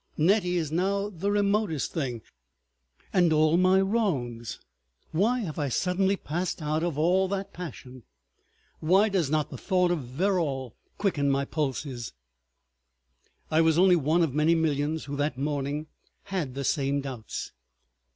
Nettie is now the remotest thing—and all my wrongs. Why have I suddenly passed out of all that passion? Why does not the thought of Verrall quicken my pulses?" ... I was only one of many millions who that morning had the same doubts.